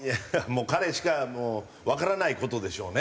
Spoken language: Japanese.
もう彼しかわからない事でしょうね。